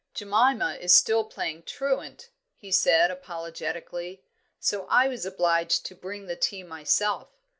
"Jemima is still playing truant," he said, apologetically, "so I was obliged to bring the tea myself."